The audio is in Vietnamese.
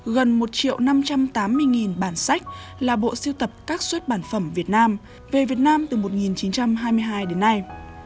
gần một triệu năm trăm tám mươi bản sách là bộ siêu tập các xuất bản phẩm việt nam về việt nam từ một nghìn chín trăm hai mươi hai đến nay